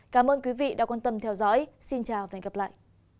cảm ơn quý vị đã quan tâm theo dõi xin chào và hẹn gặp lại